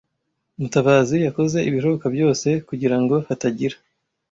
Mutabazi yakoze ibishoboka byose kugirango hatagira